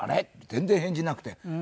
全然返事なくて。